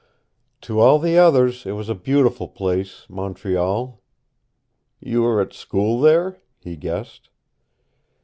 "To all the others it was a beautiful place, Montreal." "You were at school there?" he guessed.